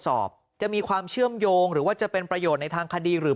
จะมีความเชื่อมโยงหรือว่าจะเป็นประโยชน์ในทางคดีหรือ